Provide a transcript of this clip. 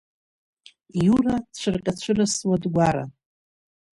Иура дцәырҟьацәырасуа дгәаран!